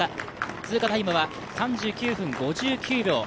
通過タイムは３９分５９秒。